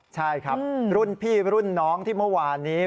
ใช่ครับรุ่นพี่รุ่นน้องที่เมื่อวานนี้